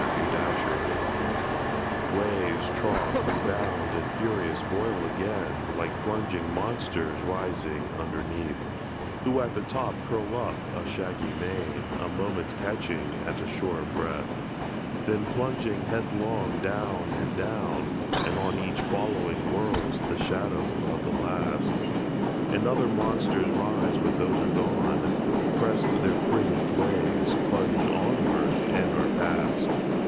The Flood Waves trough, rebound, and furious boil again, Like plunging monsters rising underneath, Who at the top curl up a shaggy mane, A moment catching at a surer breath, Then plunging headlong down and down, and on Each following whirls the shadow of the last; And other monsters rise when those are gone, Crest their fringed waves, plunge onward and are past.